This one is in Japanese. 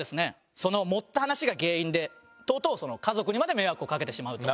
その盛った話が原因でとうとう家族にまで迷惑をかけてしまうと。